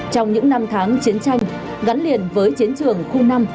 trong những năm tháng chiến tranh gắn liền với chiến trường khu năm